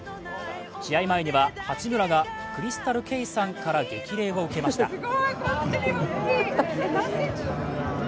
試合前には八村がクリスタル・ケイさんから激励を受けました。